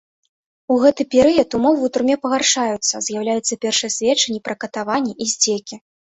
У гэты перыяд ўмовы ў турме пагаршаюцца, з'яўляюцца першыя сведчанні пра катаванні і здзекі.